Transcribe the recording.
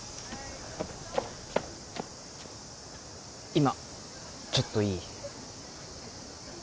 今ちょっといい？